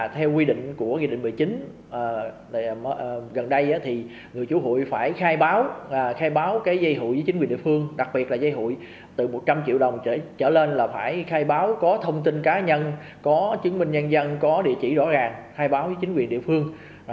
theo quy định của nghị định một mươi chín gần đây thì người chủ hụi phải khai báo khai báo dây hụi với chính quyền địa phương đặc biệt là dây hụi từ một trăm linh triệu đồng trở lên là phải khai báo có thông tin cá nhân có chứng minh nhân dân có địa chỉ rõ ràng khai báo với chính quyền địa phương